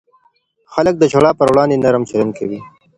خلک د ژړا پر وړاندې نرم چلند کوي.